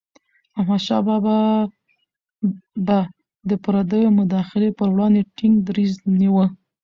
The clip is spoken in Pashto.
احمدشاه بابا به د پردیو مداخلي پر وړاندې ټينګ دریځ نیوه.